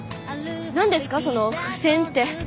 何ですかその付箋って。